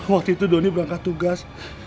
waktu itu doni berangkat tugas